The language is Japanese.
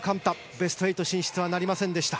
ベスト８進出はなりませんでした。